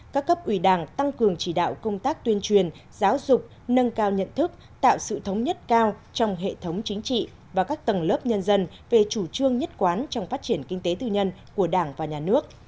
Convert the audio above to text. các cấp ủy đảng tăng cường chỉ đạo công tác tuyên truyền giáo dục nâng cao nhận thức tạo sự thống nhất cao trong hệ thống chính trị và các tầng lớp nhân dân về chủ trương nhất quán trong phát triển kinh tế tư nhân của đảng và nhà nước